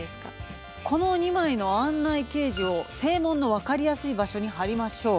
「この２枚の案内掲示を正門の分かりやすい場所に貼りましょう」。